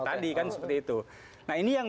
tadi kan seperti itu nah ini yang